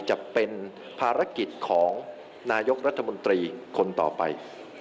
จะเป็นภารกิจของนายกรัฐมนตรีคนต่อไป